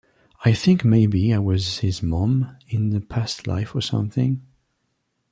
I think maybe I was his mom in a past life or something.